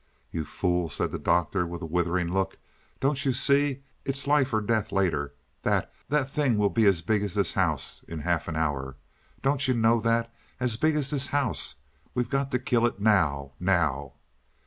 "You fool!" said the Doctor, with a withering look. "Don't you see, it's life or death later. That that thing will be as big as this house in half an hour. Don't you know that? As big as this house. We've got to kill it now now."